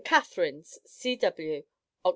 CATHARINES, C.W., Oct.